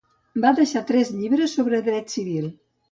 Va deixar tres llibres sobre dret civil.